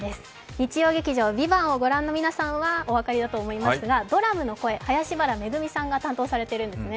日曜劇場「ＶＩＶＡＮＴ」をご覧の皆さんはお分かりだと思いますが、ドラムの声、林原めぐみさんが担当されているんですね。